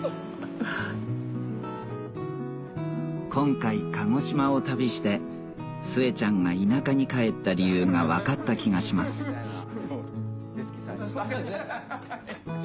今回鹿児島を旅して末ちゃんが田舎に帰った理由が分かった気がしますハハハ！